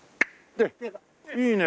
いいね！